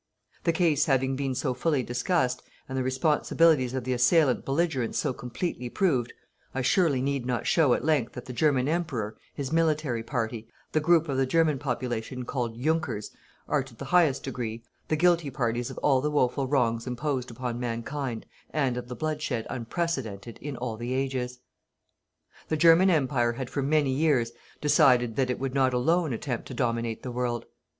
The case having been so fully discussed, and the responsibilities of the assailant belligerents so completely proved, I surely need not show at length that the German Emperor, his military party, the group of the German population called JUNKERS, are to the highest degree, the guilty parties of all the woful wrongs imposed upon Mankind and of the bloodshed unprecedented in all the ages. The German Empire had for many years decided that it would not alone attempt to dominate the world.